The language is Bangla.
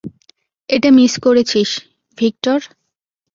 এটা মিস করেছিস, ভিক্টর?